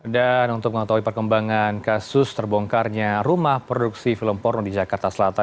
dan untuk mengataui perkembangan kasus terbongkarnya rumah produksi film porno di jakarta selatan